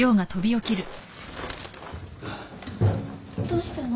どうしたの？